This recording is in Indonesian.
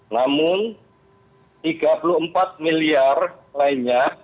namun rp tiga puluh empat miliar lainnya